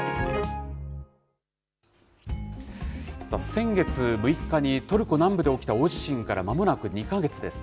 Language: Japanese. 先月６日にトルコ南部で起きた大地震からまもなく２か月です。